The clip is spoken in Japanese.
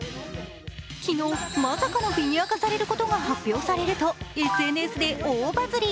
昨日、まさかのフィギュア化されることが発表されると、ＳＮＳで大バズり。